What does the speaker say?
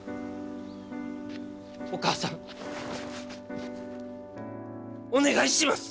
お母さんお願いします！